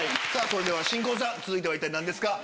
それでは新婚さん続いては一体何ですか？